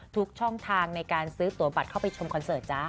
ทุกช่องทางในการซื้อตัวบัตรเข้าไปชมคอนเสิร์ตจ้า